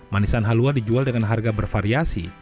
manisan halua dijual dengan harga bervariasi